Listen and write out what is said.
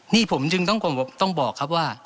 นี่ผมจึงต้องบอกครับว่า